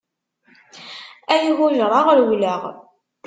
Ay hujṛeɣ rewleɣ.